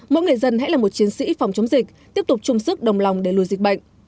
mỗi người dân hãy là một chiến sĩ phòng chống dịch tiếp tục chung sức đồng lòng để lùi dịch bệnh